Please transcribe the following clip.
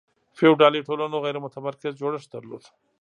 فیوډالي ټولنو غیر متمرکز جوړښت درلود.